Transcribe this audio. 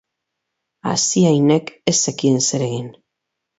Asiainek ez zekien zer egin.